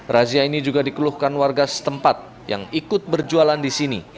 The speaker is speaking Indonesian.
razia ini juga dikeluhkan warga setempat yang ikut berjualan di sini